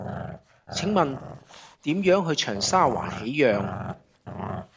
請問點樣去長沙灣喜漾